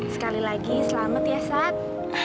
sekali lagi selamat ya sat